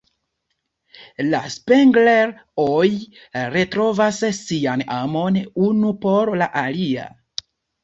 La Spengler-oj retrovas sian amon unu por la alia.